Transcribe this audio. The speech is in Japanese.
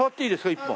１本。